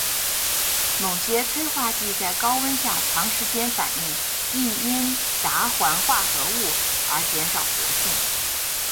某些催化剂在高温下长时间反应易因杂环化合物而减少活性。